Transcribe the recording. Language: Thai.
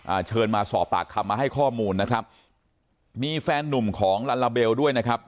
อ่าเชิญมาสอบปากคำมาให้ข้อมูลนะครับมีแฟนหนุ่มของลาลาเบลด้วยนะครับ